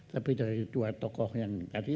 tapi dari dua tokoh yang tadi